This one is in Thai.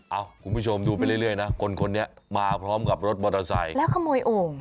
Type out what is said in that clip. คุณผู้ชมดูไปเรื่อยนะคนคนนี้มาพร้อมกับรถมอเตอร์ไซค์แล้วขโมยโอ่ง